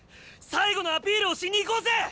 最後のアピールをしに行こうぜ！